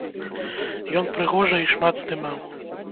Ён прыгожа і шмат здымаў.